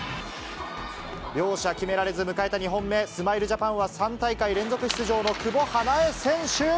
両者決められず、迎えた２本目、スマイルジャパンは３大会連続出場の久保英恵選手。